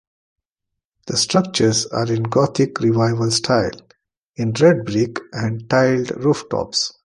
The structures are in Gothic Revival style in red brick and tiled rooftops.